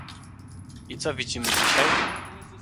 I co widzimy dzisiaj?